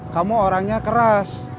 kamu orangnya keras